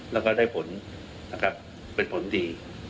แล้วก็ได้ผลนะครับเป็นผลดี